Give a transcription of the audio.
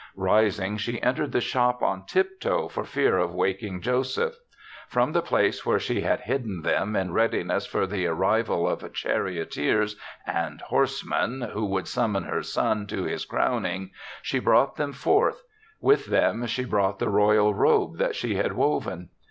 Rising, she entered the shop on tiptoe for fear of waking Joseph. From the place where she had hid den them in readiness for the arrival of charioteers and horsemen who should summon her son to his crown ing, she brought them forth; with them she brought the royal robe that she had woven.